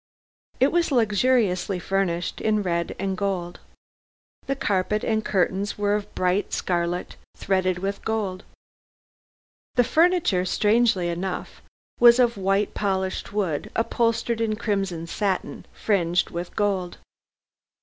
It was luxuriously furnished, in red and gold. The carpet and curtains were of bright scarlet, threaded with gold. The furniture, strangely enough, was of white polished wood upholstered in crimson satin fringed with gold.